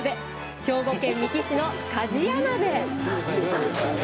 兵庫県三木市の鍛冶屋鍋。